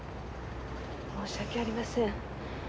申し訳ありません。